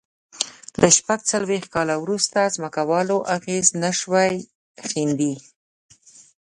له شپږ څلوېښت کال وروسته ځمکوالو اغېز نه شوای ښندي.